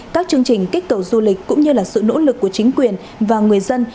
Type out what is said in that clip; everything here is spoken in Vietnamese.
các chương trình kích cầu du lịch cũng như là sự nỗ lực của chính quyền và người dân